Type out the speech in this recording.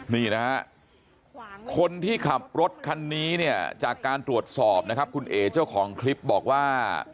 นี่นะฮะคนที่ขับรถคันนี้เนี่ยจากการตรวจสอบนะครับคุณเอ๋เจ้าของคลิปบอกว่า